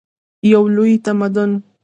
یو لوی تمدن.